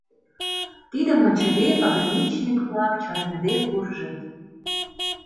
Тидым ончыде, пограничник-влак чарныде куржыт.